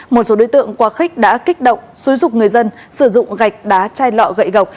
một số đối tượng quá khích đã kích động xúi dục người dân sử dụng gạch đá chai lọ gậy gọc